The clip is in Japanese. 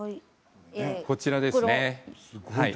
こちらですね。